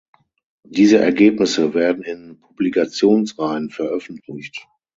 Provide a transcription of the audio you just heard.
Diese Ergebnisse werden in Publikationsreihen veröffentlicht.